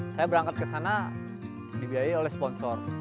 saya berangkat ke sana dibiayai oleh sponsor